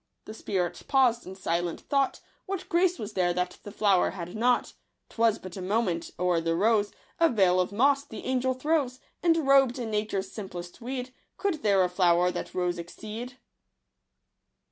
The spirit paused in silent thought, — What grace was there that flower had not ? 'Twas but a moment — o'er the rose A veil of moss the Angel throws ; And robed in nature's simplest weed, Could there a flower that rose exceed